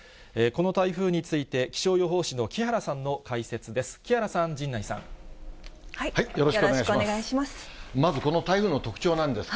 この台風について、気象予報士の木原さんの解説です。